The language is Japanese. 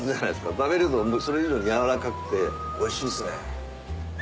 食べるとそれ以上に軟らかくておいしいですね。